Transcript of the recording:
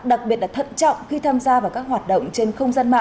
đặc biệt là thận trọng khi tham gia vào các hoạt động trên không gian mạng